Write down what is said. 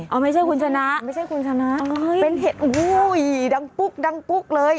เอ้าไม่ใช่คุณชนะเป็นเห็นโอ้โฮดังปุ๊กเลย